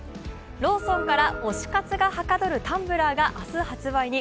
ローソンから推し活がはかどるタンブラーが発売に。